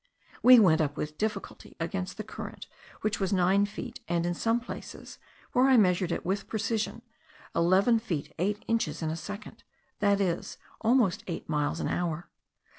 We went up with difficulty against the current, which was nine feet, and in some places (where I measured it with precision) eleven feet eight inches in a second, that is, almost eight miles an hour.